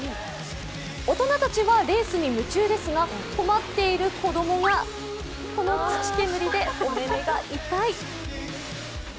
大人たちはレースに夢中ですが困っている子供が、この土煙でお目めが痛い。